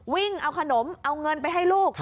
วิ่งเอาขนมเอาเงินไปให้ลูก